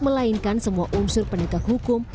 melainkan semua unsur penegak hukum